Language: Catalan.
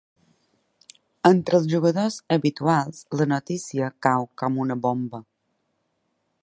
Entre els jugadors habituals la notícia cau com una bomba.